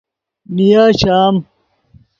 نیا شام